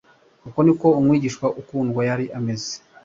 uko niko umwigishwa ukundwa yari ameze.